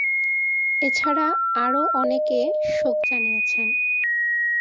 এছাড়া আরো অনেকে শোক জানিয়েছেন।